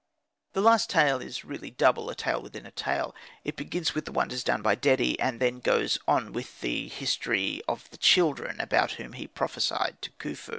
The last tale is really double, a tale within a tale. It begins with the wonders done by Dedi, and then goes on with the [Page 22] history or the children about whom he prophesied to Khufu.